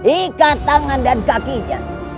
ikat tangan dan kakinya